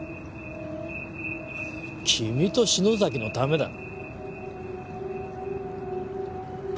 君と篠崎のためだ。